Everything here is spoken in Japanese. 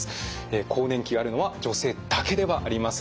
更年期があるのは女性だけではありません。